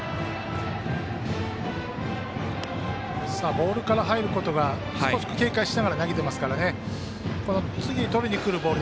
ボールから入ることが少し警戒しながら投げてますから次、とりにくるボール